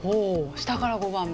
下から５番目。